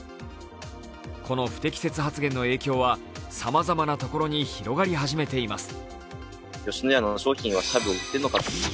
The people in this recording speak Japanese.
この不適切発言の影響はさまざまなところに広がり始めています。